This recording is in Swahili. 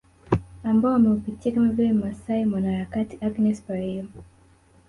Ambao wameupitia kama vile Mmasai mwanaharakati Agnes Pareiyo